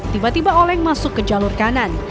tiba tiba oleng masuk ke jalur kanan